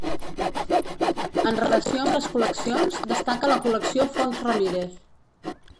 En relació amb les col·leccions, destaca la Col·lecció Fons Ramírez.